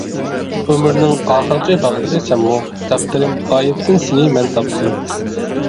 ئۆمۈرنىڭ ئاخىرقى باغلىرى سەنمۇ؟ تەقدىرىم غايىبتىن سېنى مەن تاپتىم.